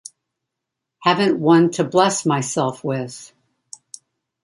Haven't one to bless myself with.